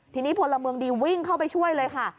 ทีนี้พลเมืองดีวิ่งเข้าไปช่วยเลยค่ะ